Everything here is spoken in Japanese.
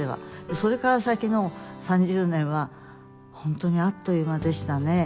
それから先の３０年は本当にあっという間でしたね。